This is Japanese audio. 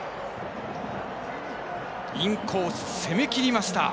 インコース攻めきりました。